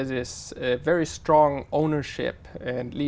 các thử nghiệm